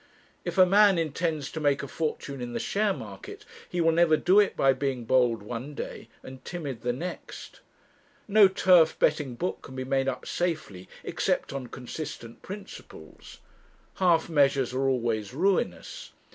If a man intends to make a fortune in the share market he will never do it by being bold one day and timid the next. No turf betting book can be made up safely except on consistent principles. Half measures are always ruinous.